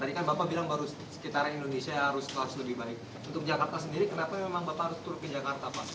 tadi kan bapak bilang baru sekitaran indonesia harus lebih baik untuk jakarta sendiri kenapa memang bapak harus turun ke jakarta pak